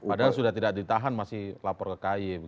padahal sudah tidak ditahan masih lapor ke kay